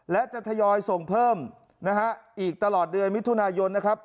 และจะทยอยส่งเพิ่มนะฮะอีกตลอดเดือนมิถุนายนนะครับ